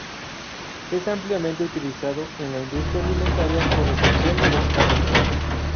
Es ampliamente utilizado en la industria alimentaria con excepción de los cárnicos.